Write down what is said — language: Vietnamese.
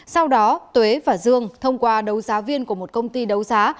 sau đó tuế và dương thông qua đấu giá viên của một công ty đấu giá